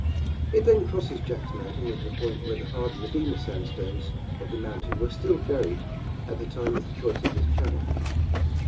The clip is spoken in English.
It then crosses Jack's mountain at a point where the hard Medina sandstones of the mountain were still buried at the time of the choice of this channel.